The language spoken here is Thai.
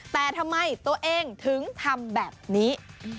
แต่ทำไมตัวเองถึงทำแบบนี้